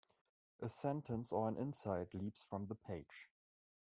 A sentence or an insight leaps from the page.